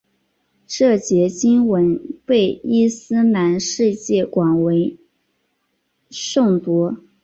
这节经文被伊斯兰世界广为诵读。